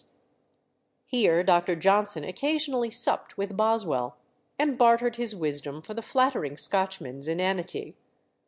Here Dr. Johnson occasionally supped with Boswell, and bartered his wisdom for the flattering Scotchman's inanity.